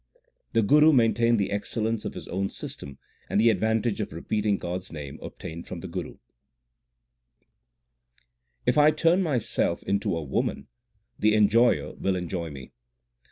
The Guru maintained the excellence of his own system and the advantage of repeating God s name obtained from the Gurii : If I turn myself into a woman, the Enjoy er will enjoy me.